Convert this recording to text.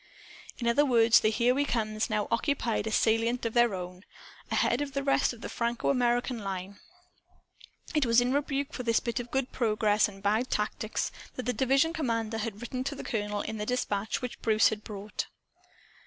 In other words, the "Here We Comes" now occupied a salient of their own, ahead of the rest of the FrancoAmerican line. It was in rebuke for this bit of good progress and bad tactics that the division commander had written to the colonel, in the dispatch which Bruce had brought.